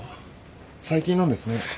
最近なんですね。